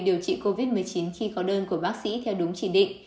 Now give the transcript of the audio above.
điều trị covid một mươi chín khi có đơn của bác sĩ theo đúng chỉ định